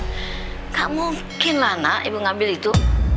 gak mungkin lah nak ibu ngambil itu